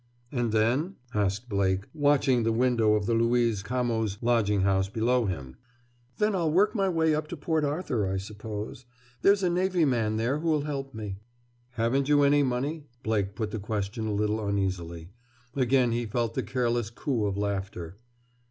"And then?" asked Blake, watching the window of the Luiz Camoes lodging house below him. "Then I'll work my way up to Port Arthur, I suppose. There's a navy man there who'll help me!" "Haven't you any money?" Blake put the question a little uneasily. Again he felt the careless coo of laughter.